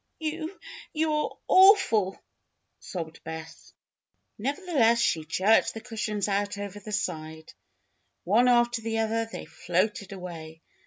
"You you are awful!" sobbed Bess. Nevertheless, she jerked the cushions out over the side. One after the other they floated away.